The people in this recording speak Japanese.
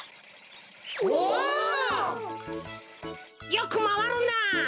よくまわるなあ。